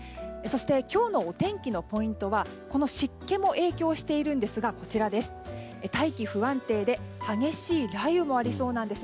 そして今日のお天気のポイントはこの湿気も影響しているんですが大気不安定で激しい雷雨もありそうなんです。